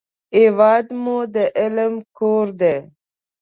هېواد مو د علم کور دی